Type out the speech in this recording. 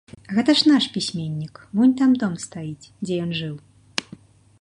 Гэта ж наш пісьменнік, вунь там дом стаіць, дзе ён жыў.